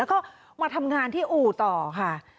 แล้วก็มาทำงานที่อู่ต่อค่ะ